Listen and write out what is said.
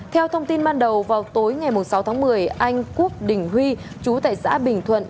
theo thông tin ban đầu vào tối ngày sáu tháng một mươi anh quốc đình huy chú tại xã bình thuận